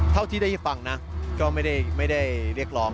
เท่าที่ได้ฟังนะก็ไม่ได้เรียกร้อง